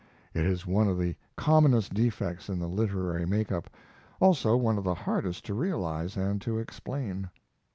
It is one of the commonest defects in the literary make up; also one of the hardest to realize and to explain.